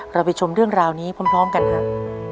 ไปชมเรื่องราวนี้พร้อมกันครับ